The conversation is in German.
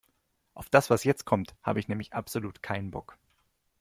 Auf das, was jetzt kommt, habe ich nämlich absolut keinen Bock.